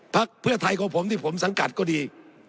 พักเพื่อไทยของผมที่ผมสังกัดก็ดี